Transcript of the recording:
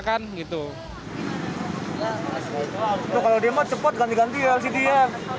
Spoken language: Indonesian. kan gitu kalau dia cepet ganti ganti ya sih dia